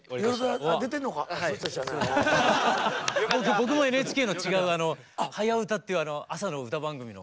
僕もＮＨＫの違う「はやウタ」っていう朝の歌番組の。